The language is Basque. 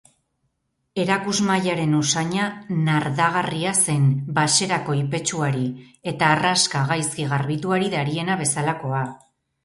Erakusmahaiaren usaina nardagarria zen, baxera koipetsuari eta harraska gaizki garbituari dariena bezalakoa.